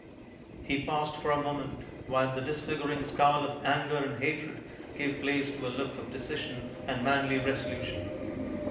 He paused for a moment while the disfiguring scowl of anger and hatred gave place to a look of decision and manly resolution.